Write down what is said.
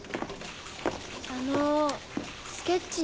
あのスケッチに。